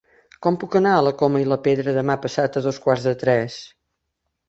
Com puc anar a la Coma i la Pedra demà passat a dos quarts de tres?